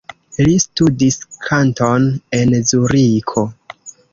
Li studis kanton en Zuriko.